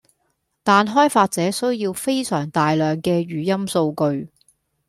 但開發者需要非常大量既語音數據